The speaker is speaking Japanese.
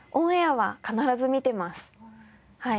はい。